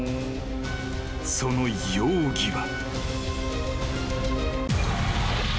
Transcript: ［その容疑は］